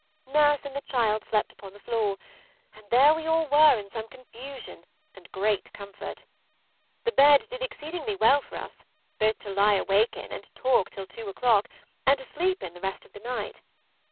Nurse and the child slept upon the floor, and there we all were in some confusion and great comfort. The bed did exceedingly well for us, both to lie awake in and talk till two o'clock, and to sleep in the rest of the night.